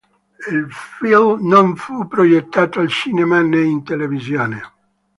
Il film non fu proiettato al cinema nè in televisione.